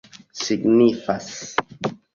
signifas